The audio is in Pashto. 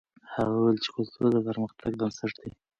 هغه وویل چې کلتور د پرمختګ بنسټ دی.